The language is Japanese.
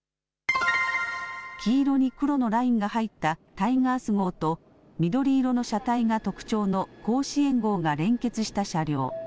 黄色に黒のラインが入ったタイガース号と緑色の車体が特徴の甲子園号が連結した車両。